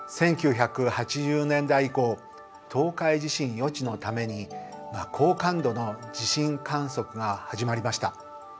１９８０年代以降東海地震予知のために高感度の地震観測が始まりました。